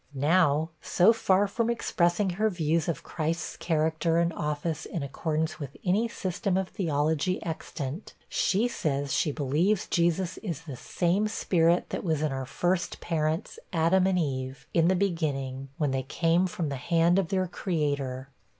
Now, so far from expressing her views of Christ's character and office in accordance with any system of theology extant, she says she believes Jesus is the same spirit that was in our first parents, Adam and Eve, in the beginning, when they came from the hand of their Creator.